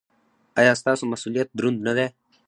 ایا ستاسو مسؤلیت دروند نه دی؟